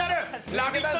「ラヴィット！」